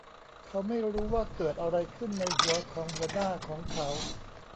เขาไม่รู้ว่าเกิดอะไรขึ้นในหัวของหัวหน้าของเขา